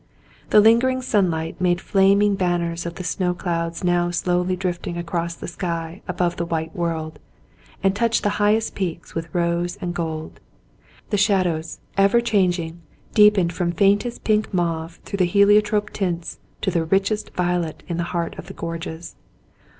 The lingering sunlight made fiaming banners of the snow clouds now slowly drifting across the sky above the white world, and touched the highest peaks with rose and gold. The shadows, ever changing, deepened from faintest pink mauve through heliotrope tints, to the richest violet in the heart of the gorges.